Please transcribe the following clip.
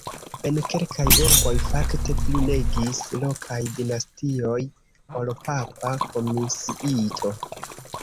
En kelkaj urboj fakte pli regis lokaj dinastioj ol papa komisiito.